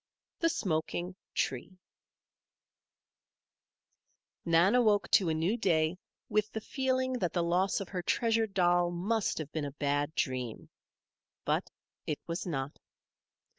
THE SMOKING TREE Nan awoke to a new day with the feeling that the loss of her treasured doll must have been a bad dream. But it was not.